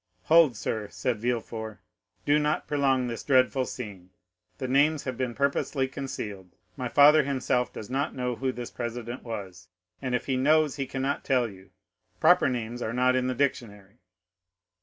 "Hold, sir," said Villefort, "do not prolong this dreadful scene. The names have been purposely concealed; my father himself does not know who this president was, and if he knows, he cannot tell you; proper names are not in the dictionary."